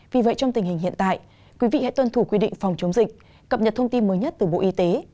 vì vậy trong tình hình hiện tại quý vị hãy tuân thủ quy định phòng chống dịch cập nhật thông tin mới nhất từ bộ y tế